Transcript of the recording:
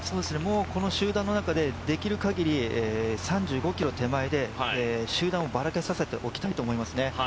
この集団の中でできる限り３５ｋｍ手前で集団をばらけさせておきたいと思いますね。